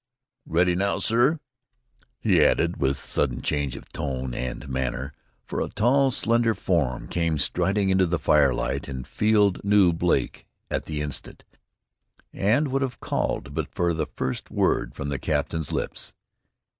Ready now, sir," he added, with sudden change of tone and manner, for a tall, slender form came striding into the fire light, and Field knew Blake at the instant, and would have called but for the first word from the captain's lips.